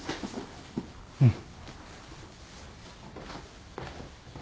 うん。